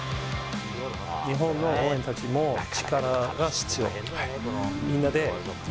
日本の応援たちの力が必要。